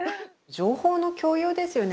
情報の共有ですよね。